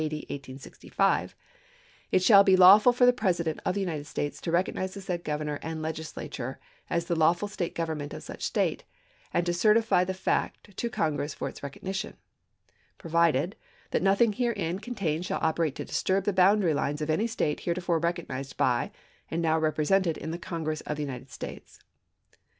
d. 1865, it shall be lawful for the Presi dent of the United States to recognize the said gov ernor and legislature as the lawful State government of such State, and to certify the fact to Congress for its recognition : Provided, That nothing herein con tained shall operate to disturb the boundary lines of any State heretofore recognized by and now "Globe," represented in the Congress of the United States."